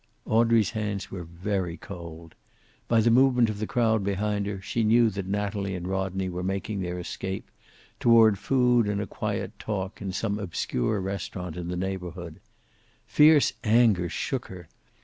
Audrey's hands were very cold. By the movement of the crowd behind her, she knew that Natalie and Rodney were making their escape, toward food and a quiet talk in some obscure restaurant in the neighborhood. Fierce anger shook her.